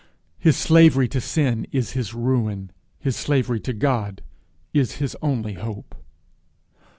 His slavery to sin is his ruin; his slavery to God is his only hope.